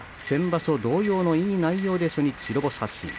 先場所同様のいい内容で初日、白星発進。